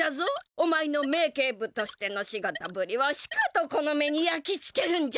おまえの名警部としての仕事ぶりをしかとこの目にやきつけるんじゃ。